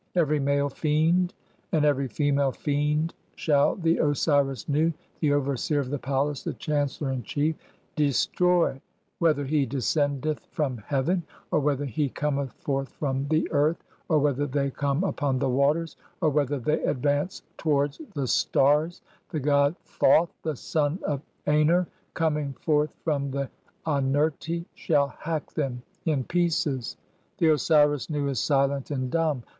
Every male fiend and every female fiend shall the "Osiris Nu, the overseer of the palace, the chancellor in chief, de stroy, whether he descendeth from the heaven, or whether he "cometh forth from (6) the earth, or whether they come upon "the waters, or whether they advance towards the stars, the god "Thoth, the son of Aner, coming forth from the Anerti, shall "hack them in pieces. The Osiris (7) Nu is silent and dumb